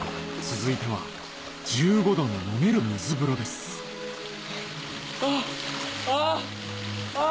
続いては１５度の飲める水風呂ですあっあ！